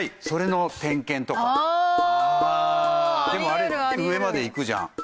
あれ上まで行くじゃん。